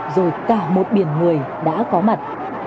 rồi cả một biển người đã có mặt